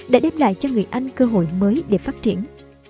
đã đem lại cho người anh cơ hội mới để phát triển